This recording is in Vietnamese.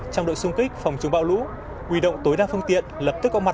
trong đội sung kích phòng chống bão lũ quy động tối đa phương tiện lập tức có mặt